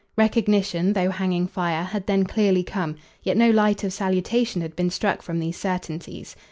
Recognition, though hanging fire, had then clearly come; yet no light of salutation had been struck from these certainties.